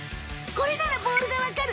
これならボールがわかる。